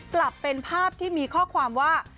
กลับเป็นภาพที่มีข้อความว่า